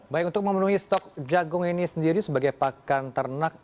baik untuk memenuhi stok jagung ini sendiri sebagai pakan ternak